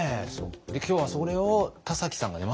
今日はそれを田崎さんがね